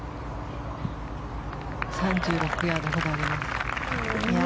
３６ヤードあります。